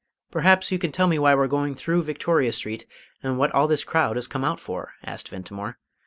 "Perhaps you can tell me why we're going through Victoria Street, and what all this crowd has come out for?" asked Ventimore.